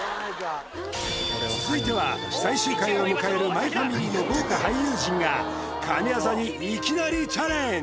続いては最終回を迎える「マイファミリー」の豪華俳優陣が神業にいきなりチャレンジ！